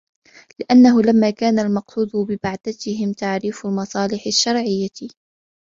لِأَنَّهُ لَمَّا كَانَ الْمَقْصُودُ بِبَعْثَتِهِمْ تَعْرِيفُ الْمَصَالِحِ الشَّرْعِيَّةِ